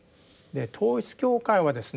統一教会はですね